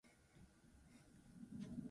Dokumentala egitekoa da orain.